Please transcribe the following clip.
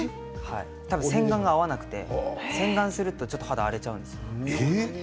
洗顔が合わなくて洗顔すると肌が荒れちゃうんです。